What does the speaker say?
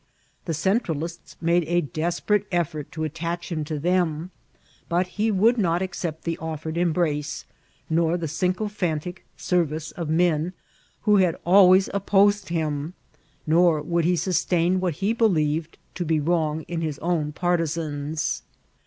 The Centralists made a desperate e& fort to attach him to them, birt he wonkT not accept the offered embrace, nor the sycophantic service of men who had always ofqKMed him; nor wooldhe sostaia what he believed to be wrong in his own partisans.